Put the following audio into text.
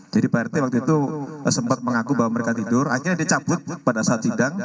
jadi prt waktu itu sempat mengaku bahwa mereka tidur akhirnya dicabut pada saat tidang